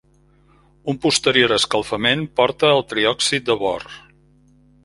Un posterior escalfament porta al triòxid de bor.